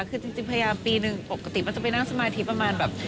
คือจริงพยายามปีหนึ่งปกติมันจะไปนั่งสมาธิประมาณแบบ